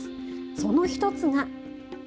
その一つが。